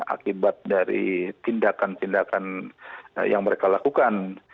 akibat dari tindakan tindakan yang mereka lakukan